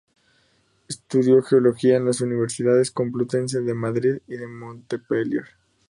Estudió geología en las universidades Complutense de Madrid y de Montpellier.